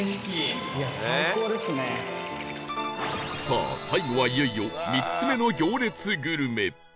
さあ最後はいよいよ３つ目の行列グルメ